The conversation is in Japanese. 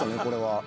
これは。